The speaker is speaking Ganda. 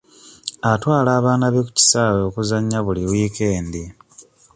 Atwala abaana be ku kisaawe okuzannya buli wiikendi.